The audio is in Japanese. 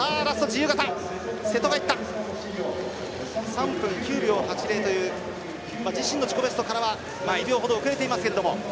３分９秒８０という自身の自己ベストからは２秒ほど遅れていますけど。